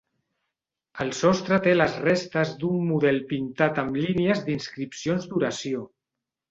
El sostre té les restes d'un model pintat amb línies d'inscripcions d'oració.